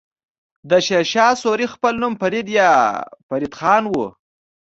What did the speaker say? د شير شاه سوری خپل نوم فريد يا فريد خان وه.